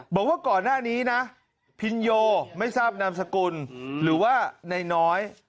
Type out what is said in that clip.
บอกว่าก่อนหน้านี้นะพินโยไม่ทราบนามสกุลหรือว่านายน้อย